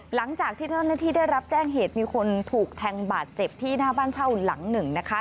หลังจากที่เจ้าหน้าที่ได้รับแจ้งเหตุมีคนถูกแทงบาดเจ็บที่หน้าบ้านเช่าหลังหนึ่งนะคะ